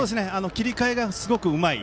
切り替えがすごくうまい。